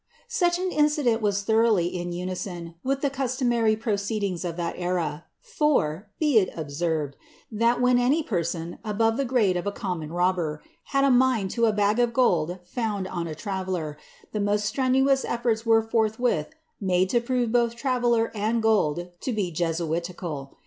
Such an incident was tho roughly in unison with the customary proceedings of that era ; for, be it observed, that when any person, above the grade of a common robber, had a mind to a bag of gold found on a traveller, the most strenuous efibrts were forthwith made to prove both traveller and gold to be Jesui tical.